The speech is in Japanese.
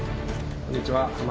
こんにちは。